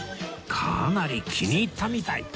かなり気に入ったみたい